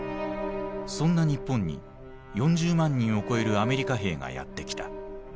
そんな日本に４０万人を超えるアメリカ兵がやって来た。